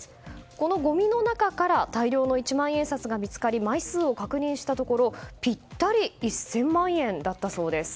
このごみの中から大量の一万円札が見つかり枚数を確認したところ、ぴったり１０００万円だったそうです。